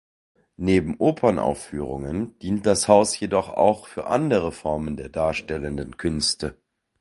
Neben Opernaufführungen dient das Haus jedoch auch für andere Formen der darstellenden Künste.